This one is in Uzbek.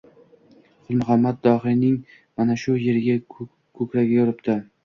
Qulmuhammad dohiyning mana shu yeriga — ko‘kragiga uripti.